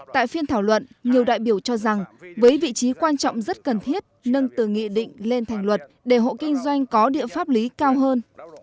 tại phiên thảo luận nhiều đại biểu cho rằng với vị trí quan trọng rất cần thiết nâng từ nghị định lên thành luật để hộ kinh doanh có địa pháp lý cao hơn